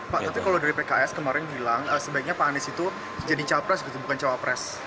pak tapi kalau dari pks kemarin bilang sebaiknya pak anies itu jadi capres gitu bukan cawapres